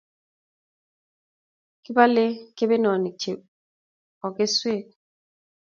Kipalei kepenonik chebokeswek